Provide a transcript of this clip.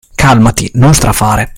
Calmati, non strafare.